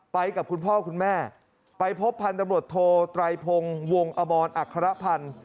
ไปกับคุณพ่อคุณแม่ไปพบพันธบรวจโทไตรพงศ์วงอมรอัครพันธ์